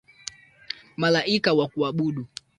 Malaika wakuabudu.